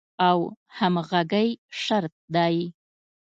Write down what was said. او همغږۍ شرط دی.